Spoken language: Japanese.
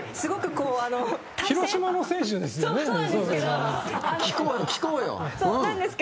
古田：広島の選手ですよね？